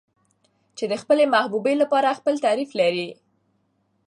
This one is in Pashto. چې د خپلې محبوبې لپاره خپل تعريف لري.